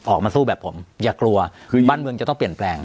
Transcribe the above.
ออกมาสู้แบบผมอย่ากลัวบ้านเมืองจะต้องเปลี่ยนแปลง